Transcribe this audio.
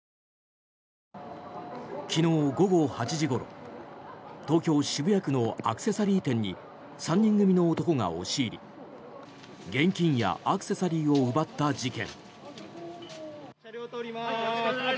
昨日午後８時ごろ東京・渋谷区のアクセサリー店に３人組の男が押し入り現金やアクセサリーを奪った事件。